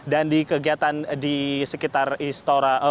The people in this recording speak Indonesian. di kegiatan di sekitar istora